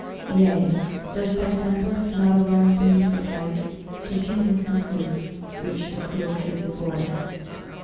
Yea, does thy semblance, not alone for me suffice, To kindle senses which the cruel truth abhor?